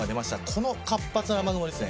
この活発な雨雲です。